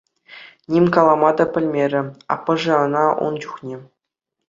Ним калама та пӗлмерӗ аппӑшӗ ӑна ун чухне.